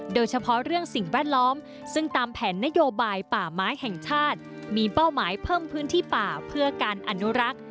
โดยเฉพาะเรื่องสิ่งแวดล้อมซึ่งตามแผนนโยบายป่าไม้แห่งชาติมีเป้าหมายเพิ่มพื้นที่ป่าเพื่อการอนุรักษ์